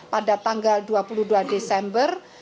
pada tanggal dua puluh dua desember